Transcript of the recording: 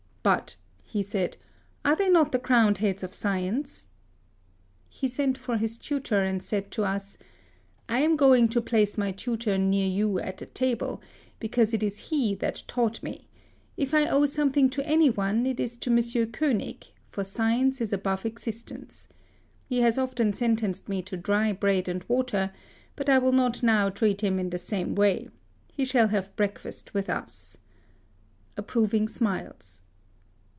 " But," he said, " are they not the crowned heads of science ?" He sent for his tutor, and said to us, "I am going to place my tutor near you at table, 30 HISTORY OF because it is he that taught me ; if I owe something to any one, it is to M. Koenig, for science is above existence. He has often sentenced me to dry. bread and water ; but I will not now treat him in the same way. He shall breakfast with us." (Ap proving smiles.)